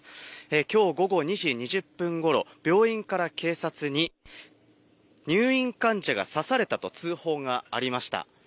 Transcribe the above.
きょう午後２時２０分ごろ、病院から警察に入院患者が刺されたと通報がありました。